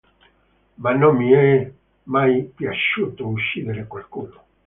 Ma non mi è mai piaciuto uccidere qualcuno.